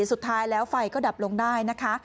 สุดท้ายแล้วไฟก็ดับลงได้นะคะ